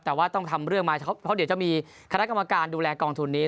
แต่ว่าต้องทำเรื่องมาเพราะเดี๋ยวจะมีคณะกรรมการดูแลกองทุนนี้